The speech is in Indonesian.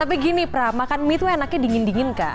tapi gini pra makan mie itu enaknya dingin dingin kak